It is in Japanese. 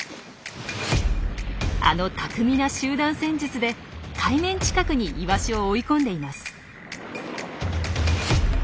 あの巧みな集団戦術で海面近くにイワシを追い込んでいます。